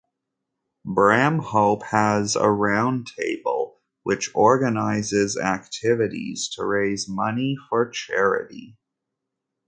Bramhope has a Round Table, which organises activities to raise money for charity.